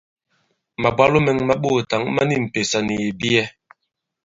Màbwalo mɛ̄ŋ mā ɓoòtǎŋ ma ni m̀pèsà nì ìbiyɛ.